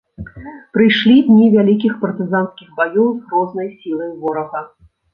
Прыйшлі дні вялікіх партызанскіх баёў з грознай сілай ворага.